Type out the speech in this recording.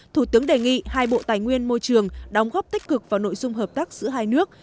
thủ tướng đề nghị hai bộ tài nguyên môi trường đóng góp tích cực vào nội dung hợp tác giữa hai nước